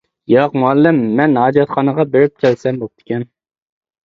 -ياق. مۇئەللىم، مەن ھاجەتخانىغا بېرىپ كەلسەم بوپتىكەن.